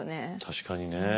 確かにね。